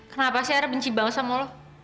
kenapa sih akhirnya benci banget sama lo